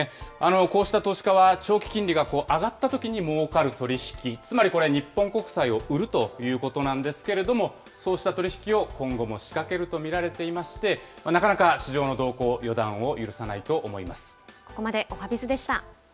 こうした投資家は、長期金利が上がったときにもうかる取り引き、つまりこれ、日本国債を売るということなんですけれども、そうした取り引きを今後も仕掛けると見られていまして、なかなか市場の動向、予断を許さないと思います。